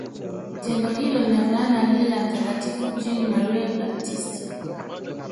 tendo hilo lilifanana na lile la mtakatifu jean marie baptiste